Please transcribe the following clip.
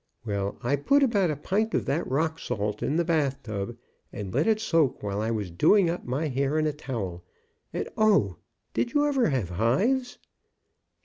Well, I . put about a pint of that rock salt in the bathtub, and let it soak while I was doing up my hair in a towel, and, O, did you ever have hives